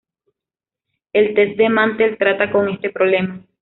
El test de Mantel trata con este problema.